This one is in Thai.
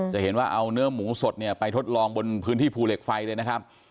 จะเห็นว่าเอาเนื้อหมูสดเนี่ยไปทดลองบนพื้นที่ภูเหล็กไฟเลยนะครับ